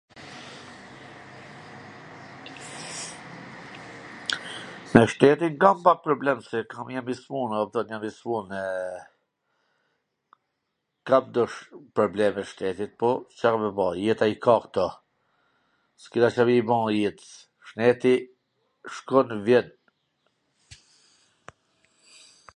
Me shnetin kam pak problem, se jam i smun, a kupton, jam i smun, kam do problem me shnetin, po Ca me bo, jeta i ka kto, s kena Ca me i ba jets, shneti shkon e vjen.